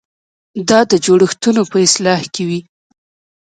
دا د جوړښتونو په اصلاح کې وي.